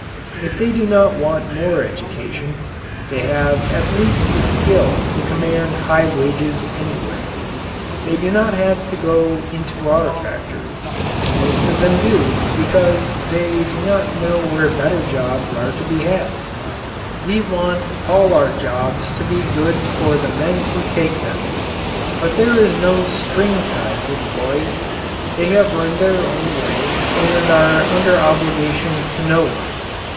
If they do not want more education, they have at least the skill to command high wages anywhere. They do not have to go into our factories; most of them do because they do not know where better jobs are to be had we want all our jobs to be good for the men who take them. But there is no string tied to the boys. They have earned their own way and are under obligations to no one.